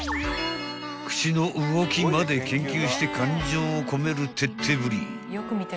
［口の動きまで研究して感情を込める徹底ぶり］